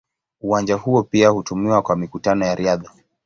Uwanja huo pia hutumiwa kwa mikutano ya riadha.